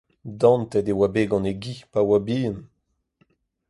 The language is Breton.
Dantet e oa bet gant e gi pa oa bihan .